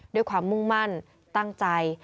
ด้วยความมุ่งมั่นตั้งใจ